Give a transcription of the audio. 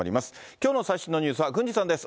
きょうの最新のニュースは郡司さんです。